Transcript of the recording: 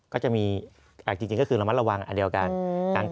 ก็จะมีจริงก็คือระมัดระวังอันเดียวกัน